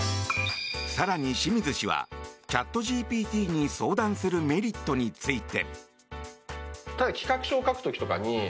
更に、清水氏はチャットＧＰＴに相談するメリットについて。